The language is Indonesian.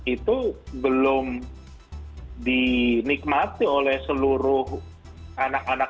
itu belum dinikmati oleh seluruh anak anak